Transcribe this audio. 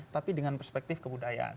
tapi dengan perspektif kebudayaan